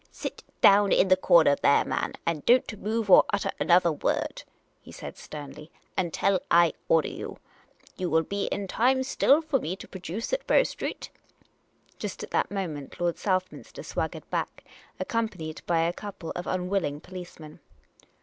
" Sit down in the corner there, man, and don't move or utter an other word," he said, sternly, " until I order you. You will be in time still for me to produce at Bow Street." Just at that moment, Lord Southminster swaggered back, accompanied by a couple of unwilling policemen.